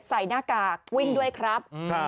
หน้ากากวิ่งด้วยครับ